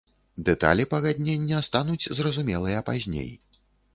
Дэталі пагаднення стануць зразумелыя пазней.